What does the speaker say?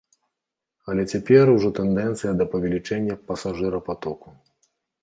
Але цяпер ужо тэндэнцыя да павелічэння пасажырапатоку.